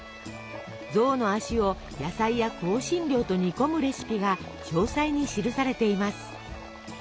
象の足を野菜や香辛料と煮込むレシピが詳細に記されています。